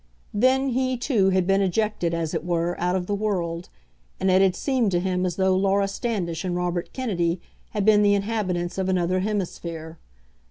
Then he, too, had been ejected, as it were, out of the world, and it had seemed to him as though Laura Standish and Robert Kennedy had been the inhabitants of another hemisphere.